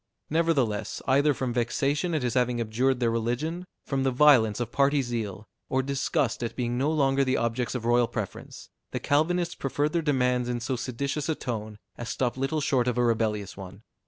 Nevertheless, either from vexation at his having abjured their religion, from the violence of party zeal, or disgust at being no longer the objects of royal preference, the Calvinists preferred their demands in so seditious a tone, as stopped little short of a rebellious one.